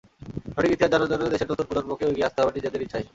সঠিক ইতিহাস জানার জন্য দেশের নতুন প্রজন্মকেও এগিয়ে আসতে হবে নিজেদের ইচ্ছায়।